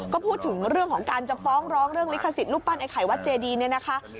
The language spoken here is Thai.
ก็พูดถึงเรื่องของการจะฟ้องร้องเรื่องลิขสิทธิ์รูปปั้นไอไข่วัดเจดีเนี่ยนะคะ